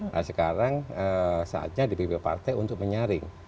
nah sekarang saatnya dpp partai untuk menyaring